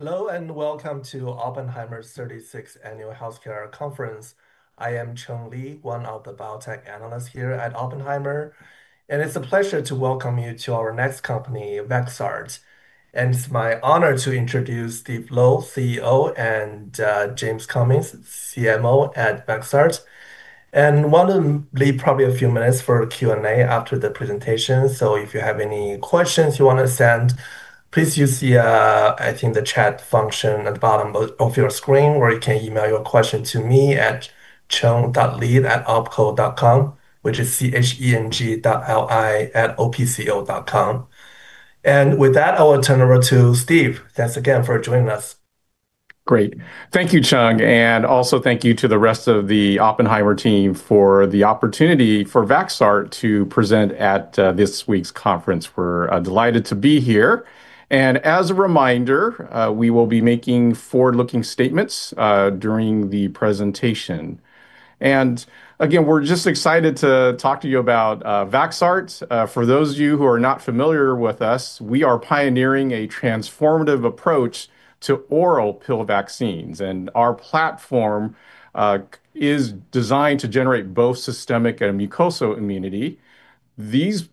Hello, welcome to Oppenheimer's 36th Annual Healthcare Conference. I am Cheng Li, one of the biotech analysts here at Oppenheimer, and it's a pleasure to welcome you to our next company, Vaxart. It's my honor to introduce Steven Lo, CEO, and James Cummings, CMO at Vaxart. We want to leave probably a few minutes for Q&A after the presentation, so if you have any questions you want to send, please use the chat function at the bottom of your screen, or you can email your question to me at cheng.li@opco.com, which is C-H-E-N-G dot L-I at O-P-C-O dot com. With that, I will turn it over to Steven. Thanks again for joining us. Great. Thank you, Cheng, also thank you to the rest of the Oppenheimer team for the opportunity for Vaxart to present at this week's conference. We're delighted to be here. As a reminder, we will be making forward-looking statements during the presentation. Again, we're just excited to talk to you about Vaxart. For those of you who are not familiar with us, we are pioneering a transformative approach to oral pill vaccines. Our platform is designed to generate both systemic and mucosal immunity. These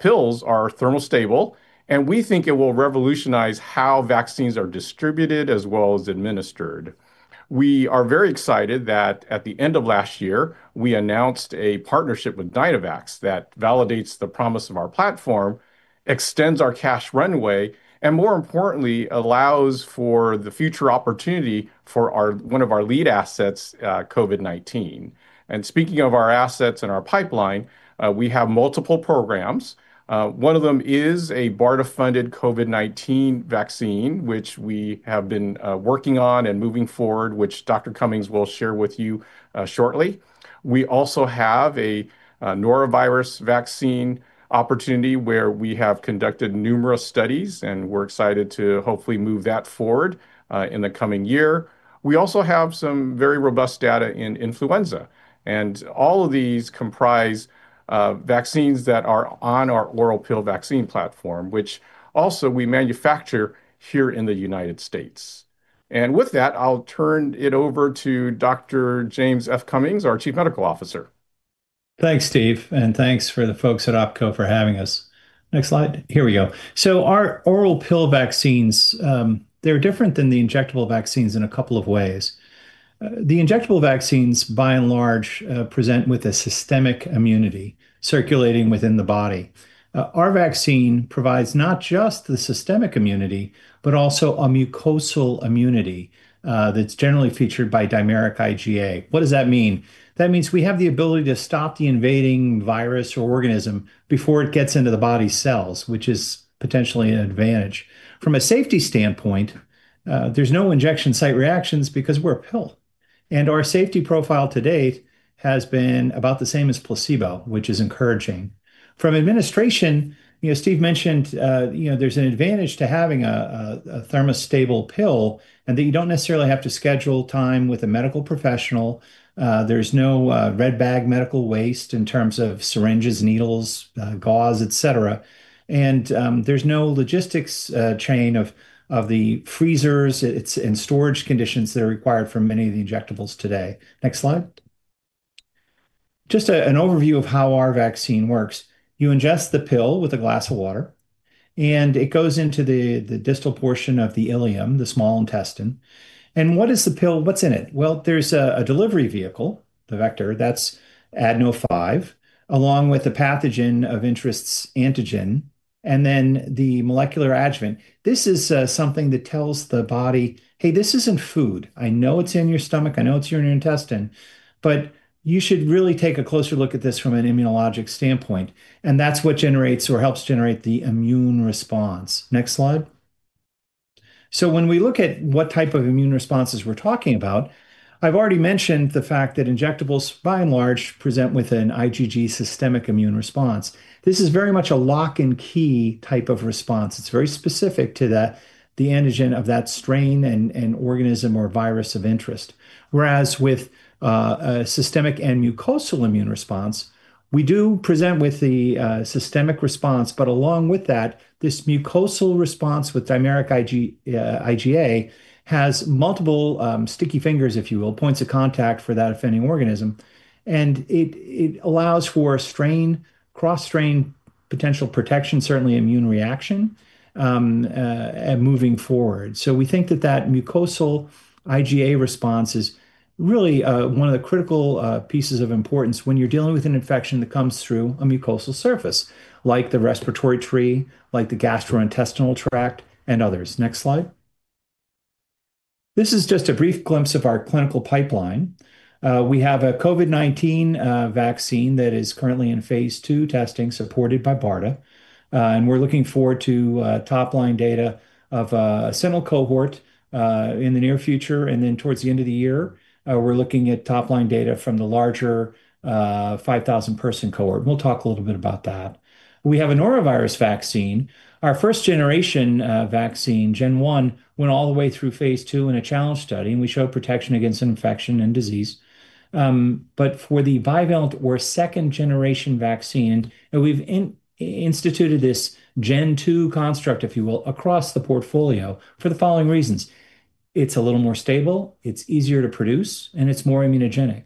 pills are thermostable. We think it will revolutionize how vaccines are distributed as well as administered. We are very excited that at the end of last year, we announced a partnership with Dynavax that validates the promise of our platform, extends our cash runway, and more importantly, allows for the future opportunity for our, one of our lead assets, COVID-19. Speaking of our assets and our pipeline, we have multiple programs. One of them is a BARDA-funded COVID-19 vaccine, which we have been working on and moving forward, which Dr. Cummings will share with you shortly. We also have a norovirus vaccine opportunity, where we have conducted numerous studies, and we're excited to hopefully move that forward in the coming year. We also have some very robust data in influenza, and all of these comprise vaccines that are on our oral pill vaccine platform, which also we manufacture here in the United States. With that, I'll turn it over to Dr. James F. Cummings, our Chief Medical Officer. Thanks, Steve, thanks for the folks at OpCo for having us. Next slide. Here we go. Our oral pill vaccines, they're different than the injectable vaccines in a couple of ways. The injectable vaccines, by and large, present with a systemic immunity circulating within the body. Our vaccine provides not just the systemic immunity, but also a mucosal immunity, that's generally featured by dimeric IgA. What does that mean? That means we have the ability to stop the invading virus or organism before it gets into the body's cells, which is potentially an advantage. From a safety standpoint, there's no injection site reactions because we're a pill, and our safety profile to date has been about the same as placebo, which is encouraging. From administration, you know, Steve mentioned, you know, there's an advantage to having a thermostable pill and that you don't necessarily have to schedule time with a medical professional. There's no red bag medical waste in terms of syringes, needles, gauze, et cetera. There's no logistics chain of the freezers and storage conditions that are required for many of the injectables today. Next slide. Just an overview of how our vaccine works. You ingest the pill with a glass of water, it goes into the distal portion of the ileum, the small intestine. What is the pill? What's in it? Well, there's a delivery vehicle, the vector, that's Ad5, along with the pathogen of interest's antigen, and then the molecular adjuvant. This is something that tells the body, "Hey, this isn't food. I know it's in your stomach, I know it's in your intestine, but you should really take a closer look at this from an immunologic standpoint." That's what generates or helps generate the immune response. Next slide. When we look at what type of immune responses we're talking about, I've already mentioned the fact that injectables, by and large, present with an IgG systemic immune response. This is very much a lock-and-key type of response. It's very specific to that, the antigen of that strain and organism or virus of interest. Whereas with a systemic and mucosal immune response, we do present with the systemic response, but along with that, this mucosal response with dimeric IgA, has multiple sticky fingers, if you will, points of contact for that offending organism. It allows for a strain, cross-strain potential protection, certainly immune reaction, moving forward. We think that mucosal IgA response is really one of the critical pieces of importance when you're dealing with an infection that comes through a mucosal surface, like the respiratory tree, like the gastrointestinal tract, and others. Next slide. This is just a brief glimpse of our clinical pipeline. We have a COVID-19 vaccine that is currently in phase II testing, supported by BARDA. We're looking forward to top-line data of a seminal cohort in the near future, then towards the end of the year, we're looking at top-line data from the larger 5,000-person cohort. We'll talk a little bit about that. We have a norovirus vaccine. Our first-generation vaccine, Gen 1, went all the way through phase II in a challenge study, and we showed protection against infection and disease. For the bivalent or second-generation vaccine, and we've instituted this Gen 2 construct, if you will, across the portfolio for the following reasons. It's a little more stable, it's easier to produce, and it's more immunogenic.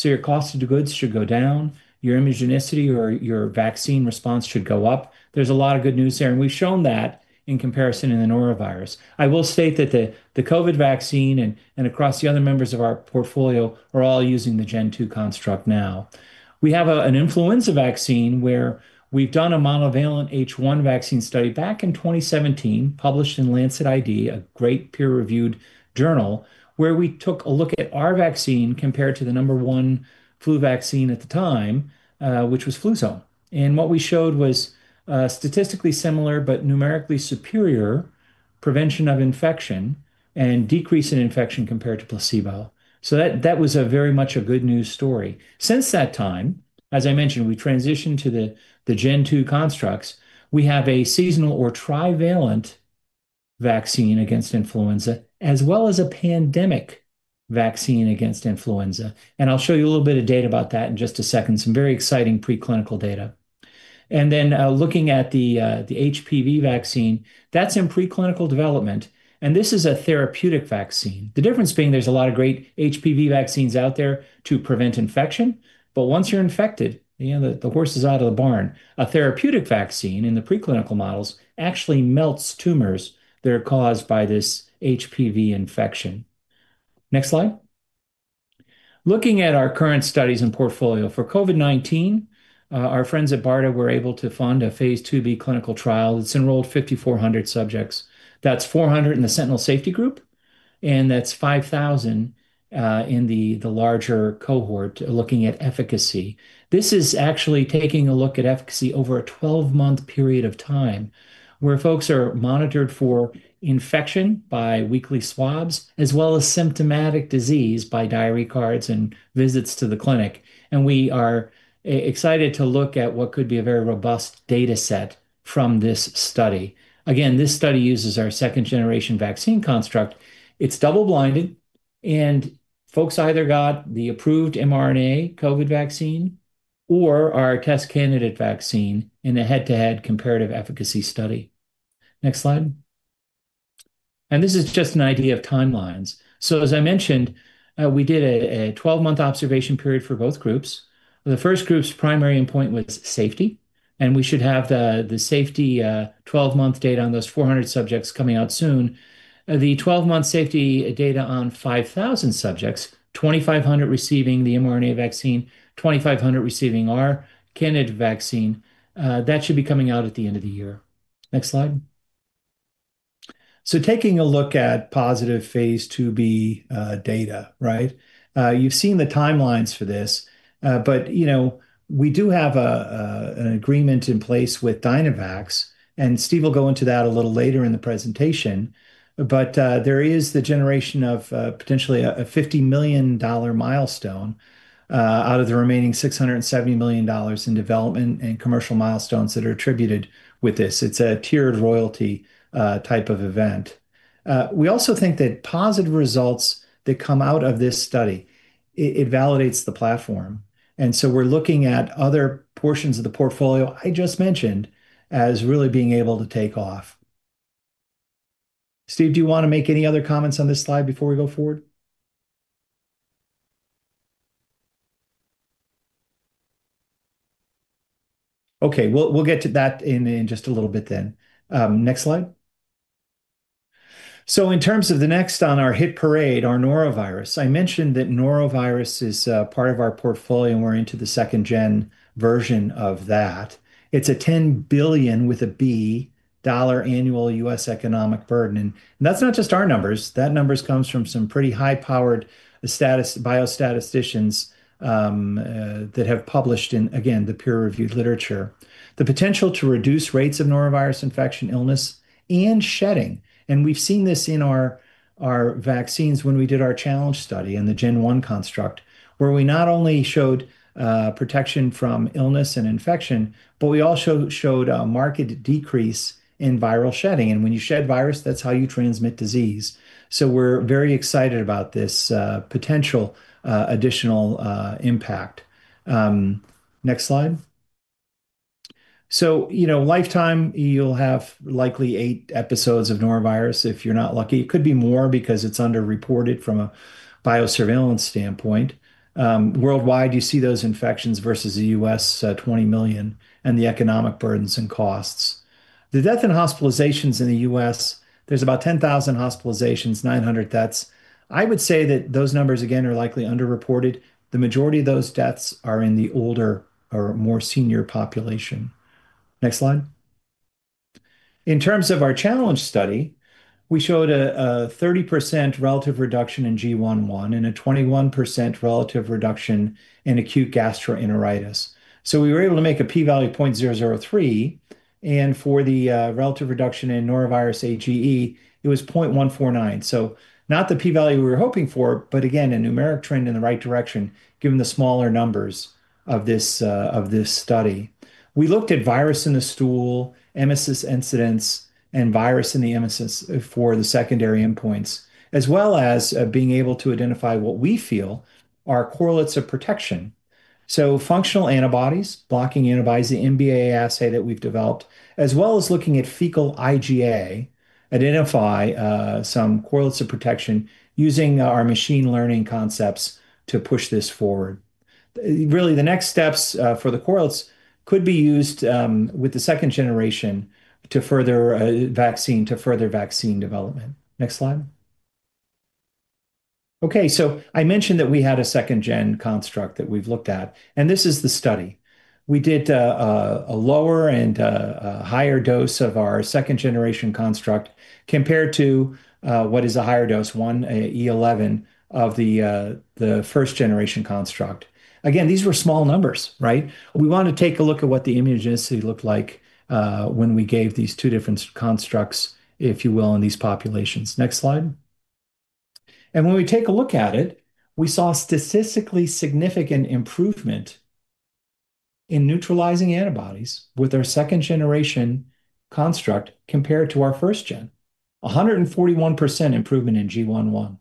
Your cost of the goods should go down, your immunogenicity or your vaccine response should go up. There's a lot of good news there. We've shown that in comparison in the Norovirus. I will state that the COVID vaccine and across the other members of our portfolio are all using the Gen 2 construct now. We have an influenza vaccine, where we've done a monovalent H1 vaccine study back in 2017, published in Lancet ID, a great peer-reviewed journal, where we took a look at our vaccine compared to the number 1 flu vaccine at the time, which was Fluzone. What we showed was statistically similar, but numerically superior prevention of infection and decrease in infection compared to placebo. That was a very much a good news story. Since that time, as I mentioned, we transitioned to the Gen 2 constructs. We have a seasonal or trivalent vaccine against influenza, as well as a pandemic vaccine against influenza. I'll show you a little bit of data about that in just a second, some very exciting preclinical data. Looking at the HPV vaccine, that's in preclinical development, and this is a therapeutic vaccine. The difference being there's a lot of great HPV vaccines out there to prevent infection, but once you're infected, you know, the horse is out of the barn. A therapeutic vaccine in the preclinical models actually melts tumors that are caused by this HPV infection. Next slide. Looking at our current studies and portfolio. For COVID-19, our friends at BARDA were able to fund a phase II-B clinical trial. It's enrolled 5,400 subjects. That's 400 in the sentinel safety group, and that's 5,000 in the larger cohort looking at efficacy. This is actually taking a look at efficacy over a 12-month period of time, where folks are monitored for infection by weekly swabs, as well as symptomatic disease by diary cards and visits to the clinic. We are excited to look at what could be a very robust data set from this study. Again, this study uses our second-generation vaccine construct. It's double-blinded, and folks either got the approved mRNA COVID vaccine or our test candidate vaccine in a head-to-head comparative efficacy study. Next slide. This is just an idea of timelines. As I mentioned, we did a 12-month observation period for both groups. The first group's primary endpoint was safety, and we should have the safety 12-month data on those 400 subjects coming out soon. The 12-month safety data on 5,000 subjects, 2,500 receiving the mRNA vaccine, 2,500 receiving our candidate vaccine, that should be coming out at the end of the year. Next slide. Taking a look at positive phase IIb data, right? You've seen the timelines for this, but, you know, we do have an agreement in place with Dynavax, and Steve will go into that a little later in the presentation. There is the generation of potentially a $50 million milestone out of the remaining $670 million in development and commercial milestones that are attributed with this. It's a tiered royalty type of event. We also think that positive results that come out of this study, it validates the platform, we're looking at other portions of the portfolio I just mentioned as really being able to take off. Steve, do you want to make any other comments on this slide before we go forward? We'll get to that in just a little bit then. Next slide. In terms of the next on our hit parade, our Norovirus, I mentioned that Norovirus is part of our portfolio, we're into the second gen version of that. It's a $10 billion annual U.S. economic burden, that's not just our numbers. That numbers comes from some pretty high-powered biostatisticians that have published in, again, the peer-reviewed literature. The potential to reduce rates of norovirus infection, illness, and shedding. We've seen this in our vaccines when we did our challenge study in the Gen 1 construct, where we not only showed protection from illness and infection, but we also showed a marked decrease in viral shedding. When you shed virus, that's how you transmit disease. We're very excited about this potential additional impact. Next slide. You know, lifetime, you'll have likely 8 episodes of norovirus if you're not lucky. It could be more because it's underreported from a biosurveillance standpoint. Worldwide, you see those infections versus the U.S., $20 million, and the economic burdens and costs. The death and hospitalizations in the U.S., there's about 10,000 hospitalizations, 900 deaths. I would say that those numbers, again, are likely underreported. The majority of those deaths are in the older or more senior population. Next slide. In terms of our challenge study, we showed a 30% relative reduction in GI.1 and a 21% relative reduction in acute gastroenteritis. We were able to make a p-value of 0.003, and for the relative reduction in norovirus AGE, it was 0.149. Not the p-value we were hoping for, but again, a numeric trend in the right direction, given the smaller numbers of this study. We looked at virus in the stool, emesis incidents, and virus in the emesis for the secondary endpoints, as well as being able to identify what we feel are correlates of protection. Functional antibodies, blocking antibodies, the NBAA that we've developed, as well as looking at fecal IgA, identify some correlates of protection using our machine learning concepts to push this forward. Really, the next steps for the correlates could be used with the second-generation to further vaccine development. Next slide. I mentioned that we had a second-gen construct that we've looked at, and this is the study. We did a lower and a higher dose of our second-generation construct compared to what is a higher dose one, E11 of the first-generation construct. Again, these were small numbers, right? We want to take a look at what the immunogenicity looked like when we gave these two different constructs, if you will, in these populations. Next slide. When we take a look at it, we saw statistically significant improvement in neutralizing antibodies with our second-generation construct compared to our first-gen. 141% improvement in GI.1,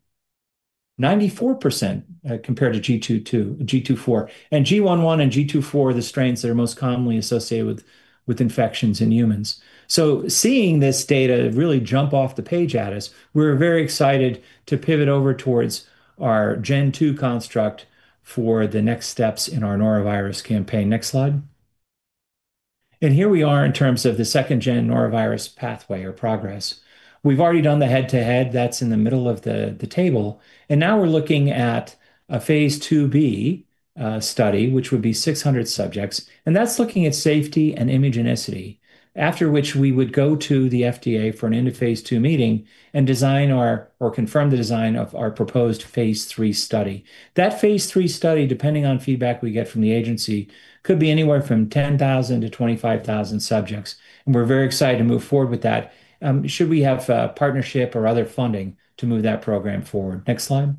94% compared to GII.4, and GI.1 and GII.4 are the strains that are most commonly associated with infections in humans. Seeing this data really jump off the page at us, we're very excited to pivot over towards our Gen 2 construct for the next steps in our norovirus campaign. Next slide. Here we are in terms of the second-gen norovirus pathway or progress. We've already done the head-to-head, that's in the middle of the table, and now we're looking at a phase II-B study, which would be 600 subjects, and that's looking at safety and immunogenicity. After which we would go to the FDA for an end-of-phase II meeting and confirm the design of our proposed phase III study. That phase III study, depending on feedback we get from the agency, could be anywhere from 10,000-25,000 subjects. We're very excited to move forward with that, should we have partnership or other funding to move that program forward? Next slide.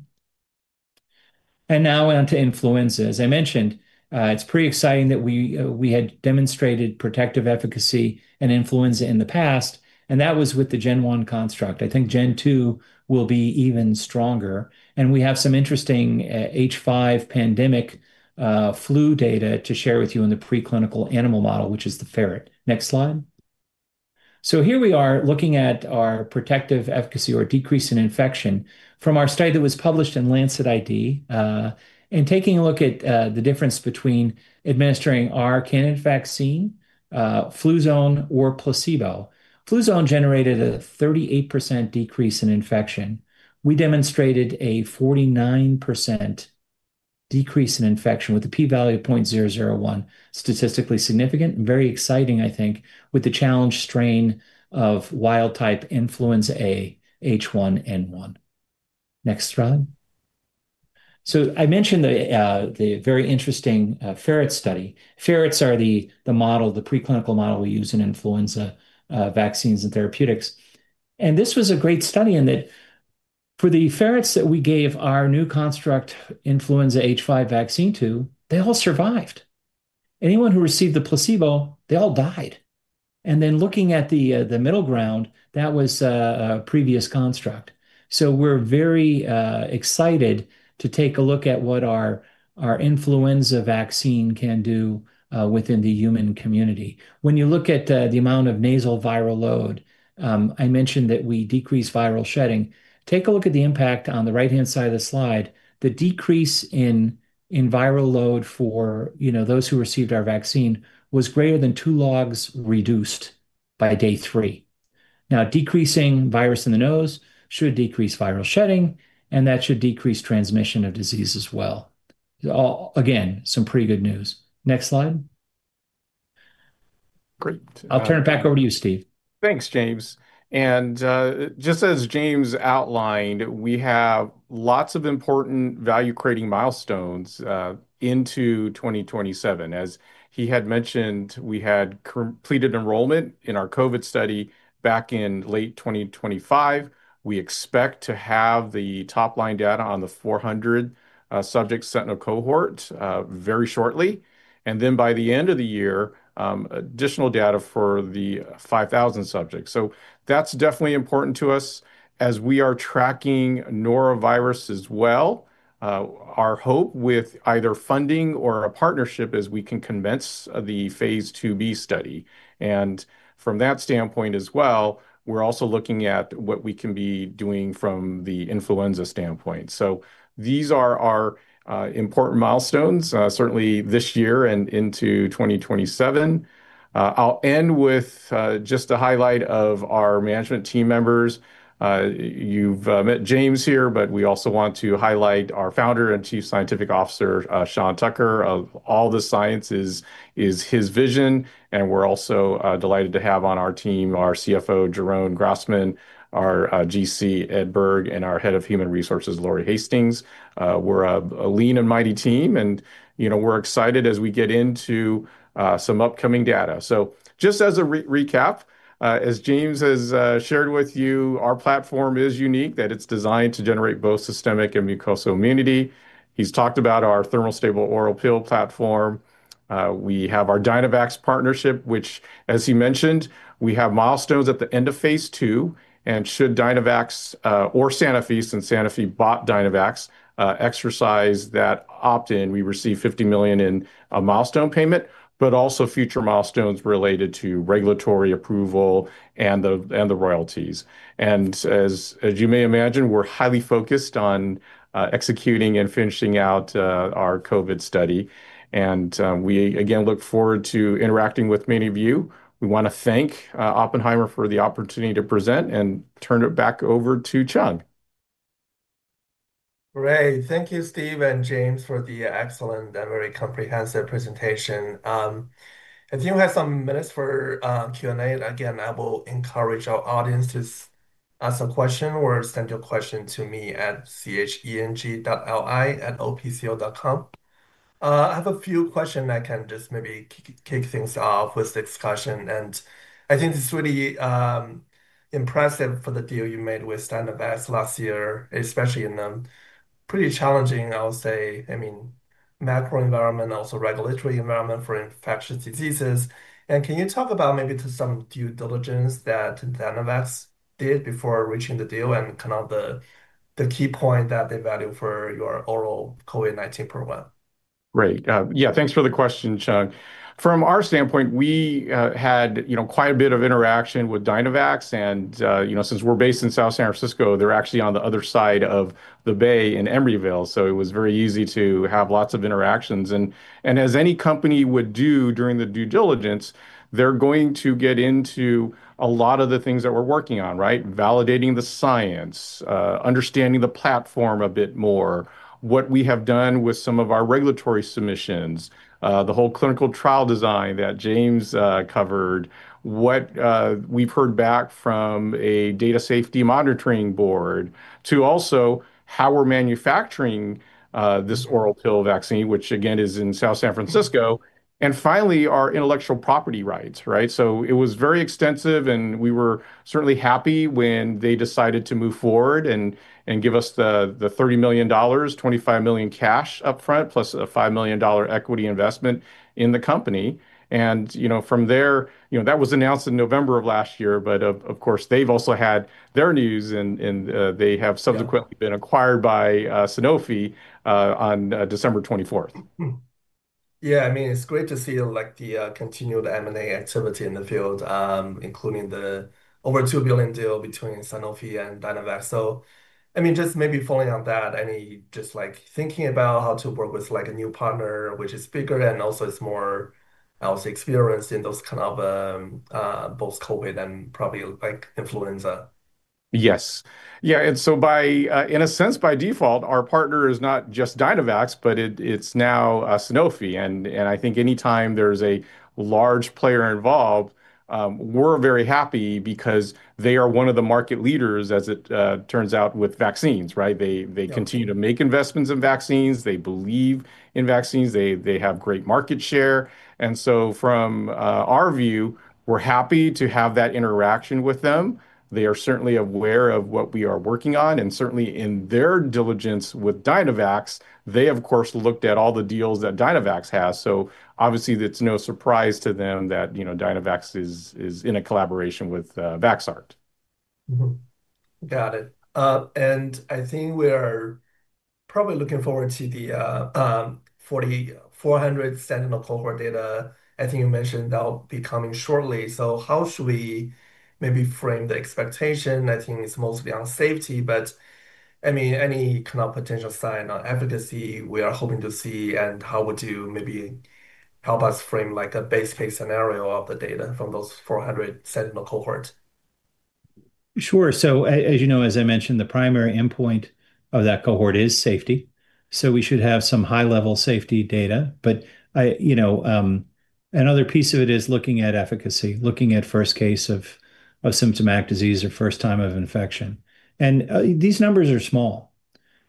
Now on to influenza. As I mentioned, it's pretty exciting that we had demonstrated protective efficacy in influenza in the past. That was with the gen 1 construct. I think gen 2 will be even stronger. We have some interesting H5 pandemic flu data to share with you in the preclinical animal model, which is the ferret. Next slide. Here we are looking at our protective efficacy or decrease in infection from our study that was published in Lancet ID, and taking a look at the difference between administering our candidate vaccine, Fluzone or placebo. Fluzone generated a 38% decrease in infection. We demonstrated a 49% decrease in infection with a p-value of 0.001. Statistically significant, and very exciting, I think, with the challenge strain of wild type influenza A H1N1. Next slide. I mentioned the very interesting ferret study. Ferrets are the model, the preclinical model we use in influenza vaccines and therapeutics. This was a great study in that for the ferrets that we gave our new construct influenza H5 vaccine to, they all survived. Anyone who received the placebo, they all died. Looking at the middle ground, that was a previous construct. We're very excited to take a look at what our influenza vaccine can do within the human community. When you look at the amount of nasal viral load, I mentioned that we decrease viral shedding. Take a look at the impact on the right-hand side of the slide. The decrease in viral load for, you know, those who received our vaccine was greater than 2 logs reduced by day 3. Decreasing virus in the nose should decrease viral shedding, and that should decrease transmission of disease as well. Again, some pretty good news. Next slide. Great. I'll turn it back over to you, Steve. Thanks, James. Just as James outlined, we have lots of important value-creating milestones into 2027. As he had mentioned, we had completed enrollment in our COVID-19 study back in late 2025. We expect to have the top-line data on the 400 subject sentinel cohort very shortly, and then by the end of the year, additional data for the 5,000 subjects. That's definitely important to us as we are tracking Norovirus as well. Our hope with either funding or a partnership is we can convince the phase II-B study, and from that standpoint as well, we're also looking at what we can be doing from the influenza standpoint. These are our important milestones certainly this year and into 2027. I'll end with just a highlight of our management team members. You've met James here, but we also want to highlight our Founder and Chief Scientific Officer, Sean Tucker. Of all the sciences, is his vision, and we're also delighted to have on our team our CFO, Jeroen Grasman, our GC, Ed Berge, and our Head of Human Resources, Lori Hastings. We're a lean and mighty team, and, you know, we're excited as we get into some upcoming data. Just as a recap, as James has shared with you, our platform is unique, that it's designed to generate both systemic and mucosal immunity. He's talked about our thermostable oral pill platform. We have our Dynavax partnership, which, as he mentioned, we have milestones at the end of phase II, and should Dynavax, or Sanofi, since Sanofi bought Dynavax, exercise that opt-in, we receive $50 million in a milestone payment, but also future milestones related to regulatory approval and the royalties. As, as you may imagine, we're highly focused on executing and finishing out our COVID study, and we again look forward to interacting with many of you. We wanna thank Oppenheimer for the opportunity to present and turn it back over to Cheng. Great. Thank you, Steve and James, for the excellent and very comprehensive presentation. I think we have some minutes for Q&A. Again, I will encourage our audience to ask a question or send your question to me at cheng.li@opco.com. I have a few question I can just maybe kick things off with the discussion, and I think it's really impressive for the deal you made with Dynavax last year, especially in a pretty challenging, I would say, I mean, macro environment, also regulatory environment for infectious diseases. Can you talk about maybe to some due diligence that Dynavax did before reaching the deal and kind of the key point that they value for your oral COVID-19 program? Great. Yeah, thanks for the question, Cheng. From our standpoint, we had, you know, quite a bit of interaction with Dynavax, and, you know, since we're based in South San Francisco, they're actually on the other side of the bay in Emeryville, so it was very easy to have lots of interactions. As any company would do during the due diligence, they're going to get into a lot of the things that we're working on, right? Validating the science, understanding the platform a bit more, what we have done with some of our regulatory submissions, the whole clinical trial design that James covered, what we've heard back from a data safety monitoring board, to also how we're manufacturing this oral pill vaccine, which again, is in South San Francisco, and finally, our intellectual property rights, right? It was very extensive, and we were certainly happy when they decided to move forward and give us the $30 million, $25 million cash upfront, plus a $5 million equity investment in the company. You know, from there. You know, that was announced in November of last year, but of course, they've also had their news, and they have subsequently. Yeah. been acquired by Sanofi on December twenty-fourth. Yeah, I mean, it's great to see, like, the continued M&A activity in the field, including the over $2 billion deal between Sanofi and Dynavax. I mean, just maybe following on that, any just, like, thinking about how to work with, like, a new partner, which is bigger and also is more, I would say, experienced in those kind of, both COVID and probably, like, influenza. Yes. Yeah, by, in a sense, by default, our partner is not just Dynavax, but it's now Sanofi. I think anytime there's a large player involved, we're very happy because they are one of the market leaders, as it turns out, with vaccines, right? Yeah. They continue to make investments in vaccines. They believe in vaccines. They have great market share, from our view, we're happy to have that interaction with them. They are certainly aware of what we are working on. Certainly in their diligence with Dynavax, they, of course, looked at all the deals that Dynavax has. Obviously, it's no surprise to them that, you know, Dynavax is in a collaboration with Vaxart. Got it. I think we are probably looking forward to the 4,400 sentinel cohort data. I think you mentioned that'll be coming shortly. How should we maybe frame the expectation? I think it's mostly on safety, but, I mean, any kind of potential sign on efficacy we are hoping to see, and how would you maybe help us frame, like, a base case scenario of the data from those 400 sentinel cohort? As you know, as I mentioned, the primary endpoint of that cohort is safety, so we should have some high-level safety data. You know, another piece of it is looking at efficacy, looking at first case of symptomatic disease or first time of infection. These numbers are small,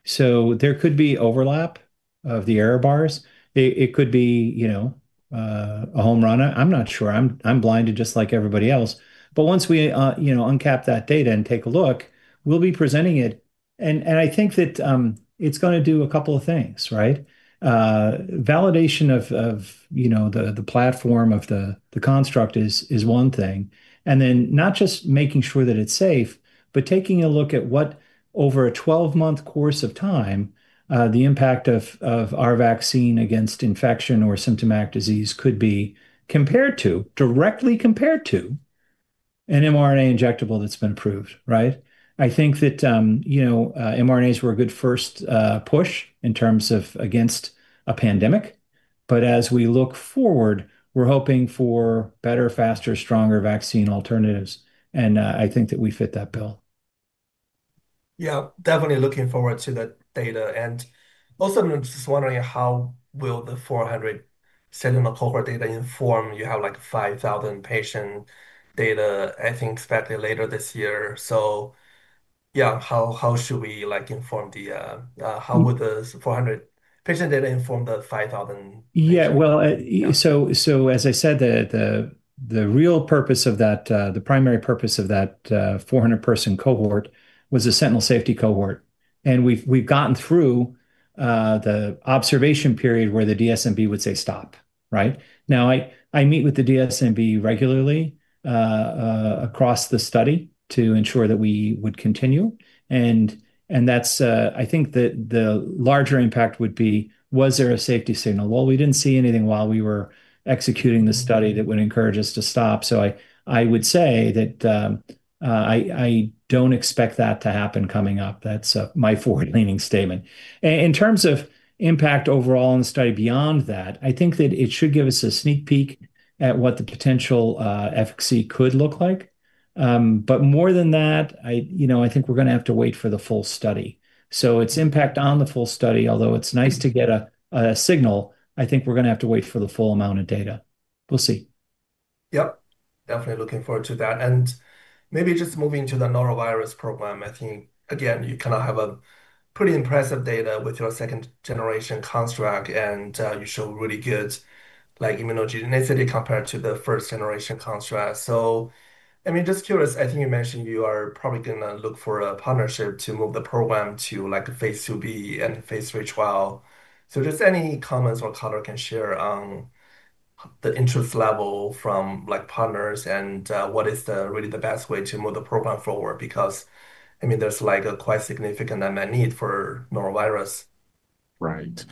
so there could be overlap of the error bars. It could be, you know, a home run. I'm not sure. I'm blinded just like everybody else. Once we, you know, uncap that data and take a look, we'll be presenting it, and I think that, it's gonna do a couple of things, right? Validation of, you know, the platform of the construct is one thing, then not just making sure that it's safe, but taking a look at what, over a 12-month course of time, the impact of our vaccine against infection or symptomatic disease could be compared to, directly compared to an mRNA injectable that's been approved, right? I think that, you know, mRNAs were a good first, push in terms of against a pandemic. As we look forward, we're hoping for better, faster, stronger vaccine alternatives. I think that we fit that bill. Yeah, definitely looking forward to that data. Also, I'm just wondering: how will the 400 sentinel cohort data inform you have, like, 5,000 patient data, I think, expected later this year? Yeah, how should we, like, inform the. how would the 400 patient data inform the 5,000 patient? Yeah, well, so as I said, the real purpose of that, the primary purpose of that, 400 person cohort was a sentinel safety cohort, and we've gotten through the observation period where the DSMB would say, "Stop," right? Now, I meet with the DSMB regularly across the study to ensure that we would continue, and that's I think that the larger impact would be, was there a safety signal? Well, we didn't see anything while we were executing the study that would encourage us to stop, so I would say that I don't expect that to happen coming up. That's my forward-leaning statement. In terms of impact overall on the study beyond that, I think that it should give us a sneak peek at what the potential efficacy could look like. More than that, I, you know, I think we're gonna have to wait for the full study. Its impact on the full study, although it's nice to get a signal, I think we're gonna have to wait for the full amount of data. We'll see. Yep, definitely looking forward to that. Maybe just moving to the norovirus program, I think, again, you kind of have a pretty impressive data with your second-generation construct, and you show really good, like, immunogenicity compared to the first-generation construct. I mean, just curious, I think you mentioned you are probably gonna look for a partnership to move the program to, like, a phase II-B and Phase III trial. Just any comments or color can share on the interest level from, like, partners and what is the really the best way to move the program forward? I mean, there's, like, a quite significant unmet need for norovirus. Right.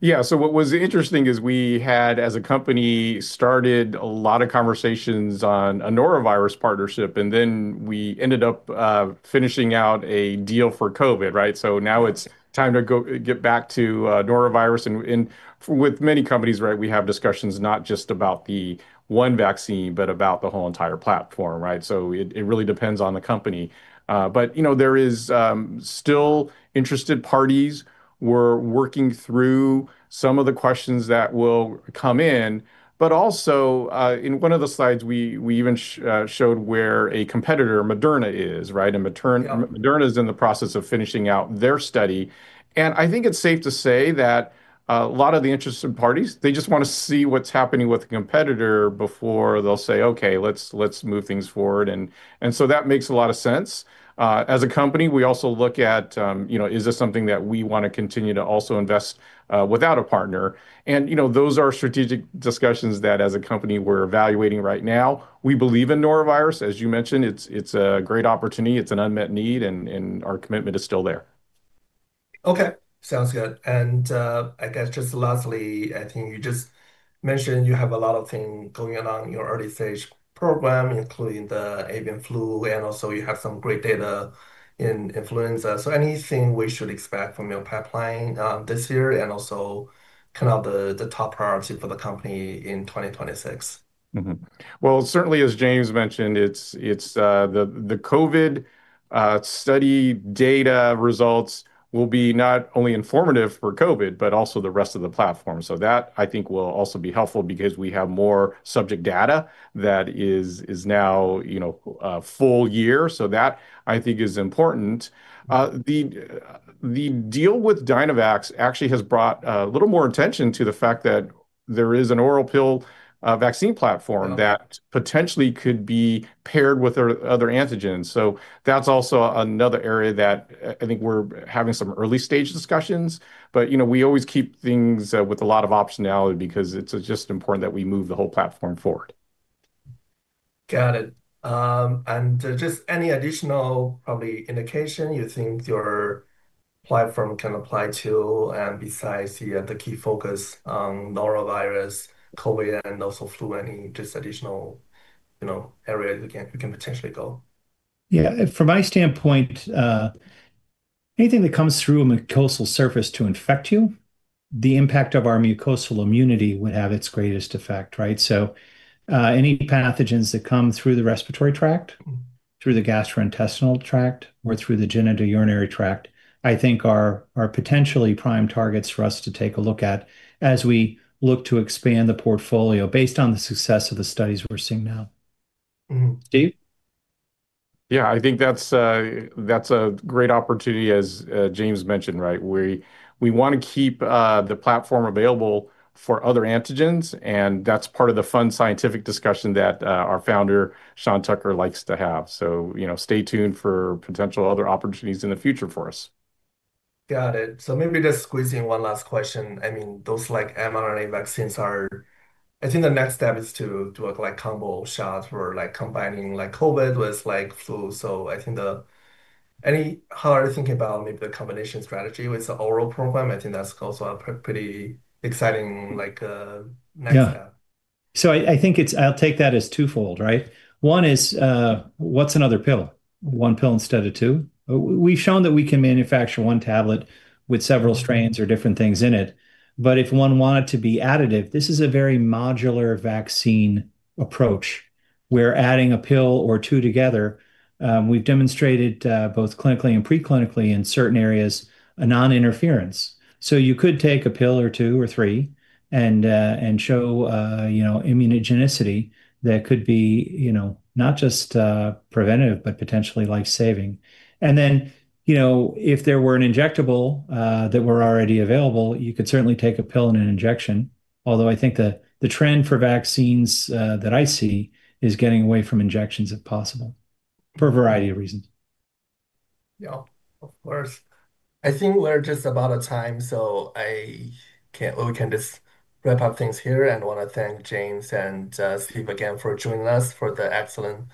Yeah, what was interesting is we had, as a company, started a lot of conversations on a Norovirus partnership, and then we ended up finishing out a deal for COVID, right? Now it's time to get back to Norovirus, and with many companies, right, we have discussions not just about the one vaccine, but about the whole entire platform, right? It really depends on the company. You know, there is still interested parties. We're working through some of the questions that will come in, but also, in one of the slides, we even showed where a competitor, Moderna, is, right? Yeah. Moderna is in the process of finishing out their study, and I think it's safe to say that, a lot of the interested parties, they just wanna see what's happening with the competitor before they'll say, "Okay, let's move things forward." That makes a lot of sense. As a company, we also look at, you know, is this something that we want to continue to also invest, without a partner? You know, those are strategic discussions that as a company, we're evaluating right now. We believe in norovirus, as you mentioned, it's a great opportunity, it's an unmet need, and our commitment is still there. Okay. Sounds good. I guess just lastly, I think you just mentioned you have a lot of things going on in your early-stage program, including the avian flu, and also you have some great data in influenza. Anything we should expect from your pipeline, this year, and also kind of the top priority for the company in 2026? Well, certainly, as James mentioned, it's, the COVID study data results will be not only informative for COVID, but also the rest of the platform. That, I think, will also be helpful because we have more subject data that is now, you know, a full year. That, I think, is important. The deal with Dynavax actually has brought a little more attention to the fact that there is an oral pill vaccine platform. that potentially could be paired with or other antigens. That's also another area that, I think we're having some early-stage discussions, but, you know, we always keep things with a lot of optionality because it's just important that we move the whole platform forward. Got it. just any additional probably indication you think your platform can apply to, and besides, yeah, the key focus on norovirus, COVID, and also flu, any just additional, you know, areas we can potentially go? From my standpoint, anything that comes through a mucosal surface to infect you, the impact of our mucosal immunity would have its greatest effect, right? Any pathogens that come through the respiratory tract, through the gastrointestinal tract, or through the genitourinary tract, I think are potentially prime targets for us to take a look at as we look to expand the portfolio based on the success of the studies we're seeing now. Steve? Yeah, I think that's a great opportunity, as James mentioned, right? We want to keep the platform available for other antigens. That's part of the fun scientific discussion that our founder, Sean Tucker, likes to have. You know, stay tuned for potential other opportunities in the future for us. Got it. Maybe just squeeze in one last question. I mean, those like mRNA vaccines. I think the next step is to do, like, combo shots or, like, combining, like, COVID with, like, flu. How are you thinking about maybe the combination strategy with the oral program? I think that's also a pretty exciting, like, next step. Yeah. I think I'll take that as twofold, right? One is, what's another pill? One pill instead of two. We've shown that we can manufacture one tablet with several strains or different things in it, if one wanted to be additive, this is a very modular vaccine approach, where adding a pill or two together, we've demonstrated both clinically and pre-clinically in certain areas, a non-interference. You could take a pill or two or three and show, you know, immunogenicity that could be, you know, not just preventative, but potentially life-saving. You know, if there were an injectable that were already available, you could certainly take a pill and an injection. Although, I think the trend for vaccines that I see is getting away from injections, if possible, for a variety of reasons. Yeah, of course. I think we're just about out of time, so we can just wrap up things here. I want to thank James and Steve again for joining us, for the excellent presentation,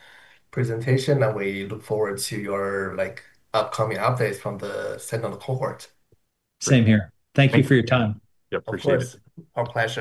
and we look forward to your, like, upcoming updates from the second cohort. Same here. Thank you. Thank you for your time. Yeah, appreciate it. Of course. Our pleasure.